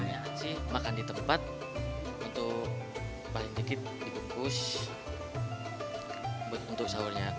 banyak sih makan di tempat untuk paling sedikit dibukus untuk sahurnya